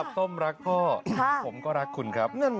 ต้มรักพ่อผมก็รักคุณครับ